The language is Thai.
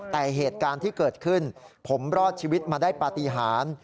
แต่เหตุการณ์ที่เกิดขึ้นผมรอดชีวิตมาได้ปฏิหาร